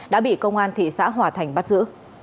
đã bị công an thị xã hòa thành bắt giữ